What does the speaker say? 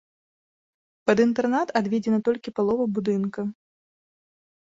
Пад інтэрнат адведзена толькі палова будынка.